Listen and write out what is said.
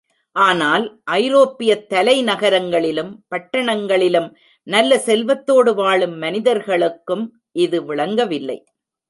ஆனால் ஐரோப்பியத் தலை நகரங்களிலும், பட்டணங்களிலும் நல்ல செல்வத்தோடு வாழும் மனிதர்களுக்கும் இது விளங்கவில்லை.